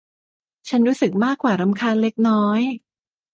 ฉันรู้สึกมากกว่ารำคาญเล็กน้อย